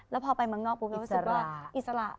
แล้วพอไปเมืองนอกปุ๊บพี่รู้สึกว่าอิสระ